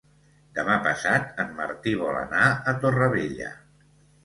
Demà passat en Martí vol anar a Torrevella.